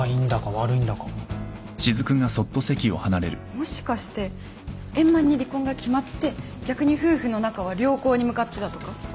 もしかして円満に離婚が決まって逆に夫婦の仲は良好に向かってたとか？